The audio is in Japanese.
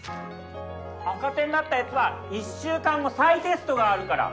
赤点だったヤツは１週間後再テストがあるから。